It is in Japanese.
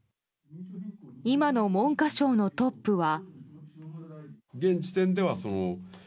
今の文科省のトップは。